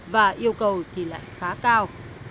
và yêu cầu thì lại khá cao